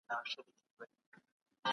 د فشار ډلې پر سياسي پرېکړو اغېز کوي.